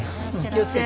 気をつけて。